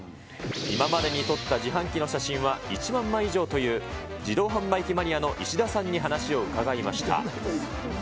今までに撮った自販機の写真は１万枚以上という、自動販売機マニアの石田さんに話を伺いました。